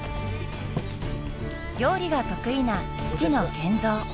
料理が得意な父の賢三。